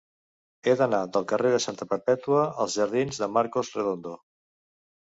He d'anar del carrer de Santa Perpètua als jardins de Marcos Redondo.